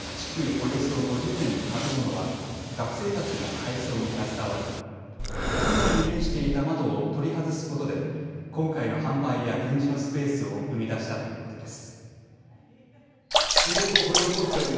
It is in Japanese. およそ５０年の建物は学生たちが改装に携わり屋外に面していた窓を取り外すことで今回の販売や展示のスペースを生み出したということです。